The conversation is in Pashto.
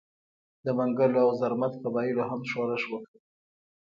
د منګلو او زرمت قبایلو هم ښورښ وکړ.